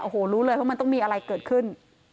โอ้โหรู้เลยเพราะมันต้องมีอะไรเกิดขึ้น